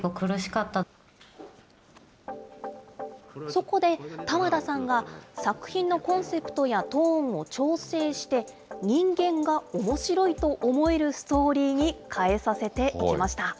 そこで、多和田さんが作品のコンセプトやトーンを調整して、人間が面白いと思えるストーリーに変えさせていきました。